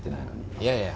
いやいや。